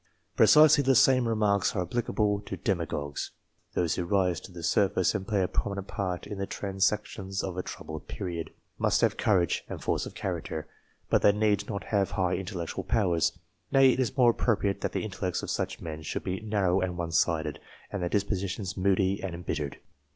Precisely the same remarks are applicable to demagogues. Those who rise to the surface and play a prominent part in the transactions of a troubled period, must have courage and force of character, but they need not have high in tellectual powers. Nay, it is more appropriate that the intellect's of such men should be narrow and one sided, and their dispositions moody and embittered.